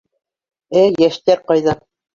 Ә йәштәр ҡайҙа?